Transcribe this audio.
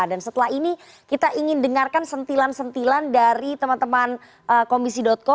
dan setelah ini kita ingin dengarkan sentilan sentilan dari teman teman komisi co